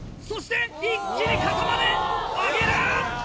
そして一気に肩まで上げる！